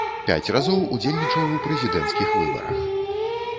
Пяць разоў удзельнічаў у прэзідэнцкіх выбарах.